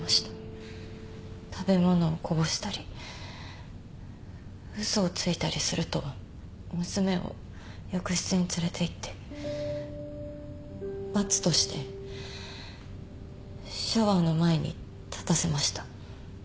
食べ物をこぼしたり嘘をついたりすると娘を浴室に連れていって罰としてシャワーの前に立たせました。